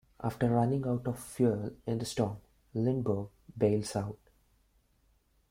After running out of fuel in the storm, Lindbergh bails out.